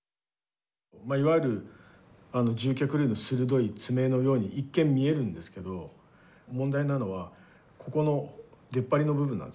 いわゆる獣脚類の鋭い爪のように一見見えるんですけど問題なのはここの出っ張りの部分なんですよね。